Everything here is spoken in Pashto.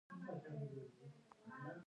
عشر ورکول حاصلات پاکوي.